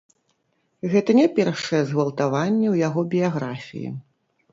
Гэта не першае згвалтаванне ў яго біяграфіі.